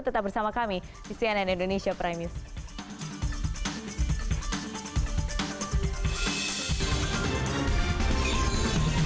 tetap bersama kami di cnn indonesia prime news